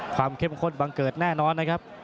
ความเข้มข้นบังเกิร์ตแน่นอนนะครับ